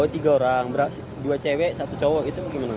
tiga orang dua cewek satu cowok itu bagaimana